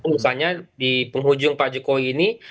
misalnya di penghujung pak jokowi ini